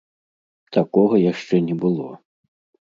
Такога яшчэ не было!